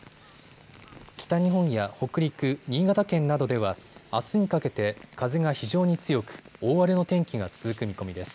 北日本や北陸、新潟県などではあすにかけて風が非常に強く、大荒れの天気が続く見込みです。